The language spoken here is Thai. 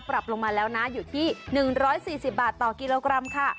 ปรับลงมาแล้วนะอยู่ที่๑๔๐บาทต่อกิโลกรัมค่ะ